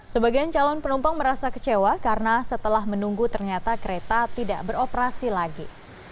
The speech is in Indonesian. sebagian calon penumpang merasa kecewa karena setelah menunggu ternyata kereta tidak beroperasi lagi